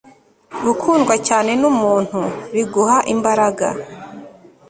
gukundwa cyane numuntu biguha imbaraga